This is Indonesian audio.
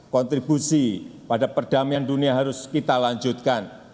kontribusi pada perdamaian dunia harus kita lanjutkan